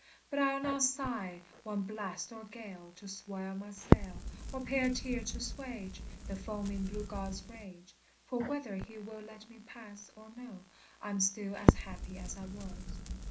But I'll not sigh one blast or gale To swell my sail, Or pay a tear to 'suage The foaming blue god's rage; For, whether he will let me pass Or no, I'm still as happy as I was.